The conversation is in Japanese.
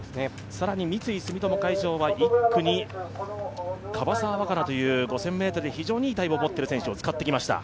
更に三井住友海上は１区に樺沢和佳奈という５０００ｍで非常にいいタイムを持っている選手を使ってきました。